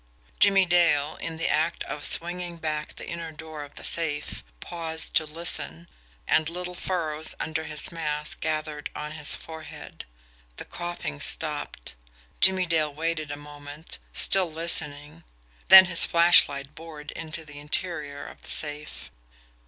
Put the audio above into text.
Jimmie Dale, in the act of swinging back the inner door of the safe, paused to listen, and little furrows under his mask gathered on his forehead. The coughing stopped. Jimmie Dale waited a moment, still listening then his flashlight bored into the interior of the safe.